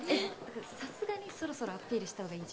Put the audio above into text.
さすがにそろそろアピールした方がいいじゃん